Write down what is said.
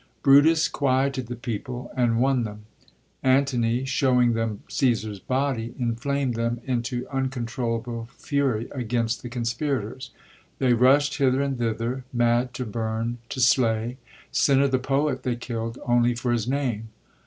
Brutus quieted the people, and won them ; Antony, showing them Caesar's body, inflamed them into uncontrollable fury against the conspirators. They rusht hither and thither, mad to biu*n, to slay. Cinna, the poet, they killd, only for his name.